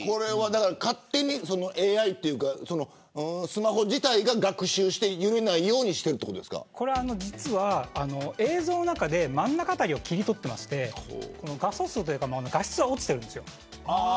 勝手にスマホ自体が学習して揺れないようにしているこれは実は映像の中で真ん中辺りを切り取ってまして画素数というか画質は落ちているんです。